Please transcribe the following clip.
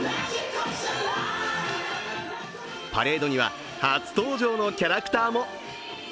パレードには初登場のキャラクターも。